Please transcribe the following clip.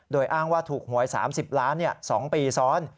โดยอ้างว่าถูกหวย๓๐ล้าน๒ปีซ้อน